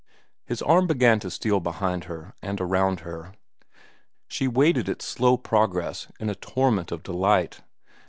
His arm began to steal behind her and around her. She waited its slow progress in a torment of delight.